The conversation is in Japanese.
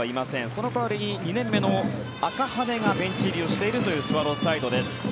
その代わり２年目の赤羽がベンチ入りしているスワローズサイドです。